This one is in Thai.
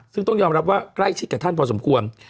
ซึ่งต้องยอมรับว่าใกล้ชิดกับท่านพอสมควร